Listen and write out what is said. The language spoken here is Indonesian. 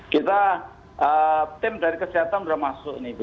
kita tim dari kesehatan sudah masuk ini